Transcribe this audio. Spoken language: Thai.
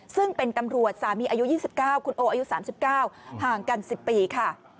ซึ่งเป็นตำรวจสามีอายุ๒๙คุณโออายุ๓๙ห่างกัน๑๐ปีค่ะ